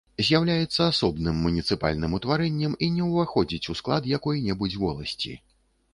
З'яўляецца асобным муніцыпальным утварэннем і не ўваходзіць у склад якой-небудзь воласці.